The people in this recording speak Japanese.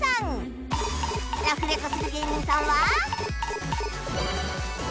ラフレコする芸人さんは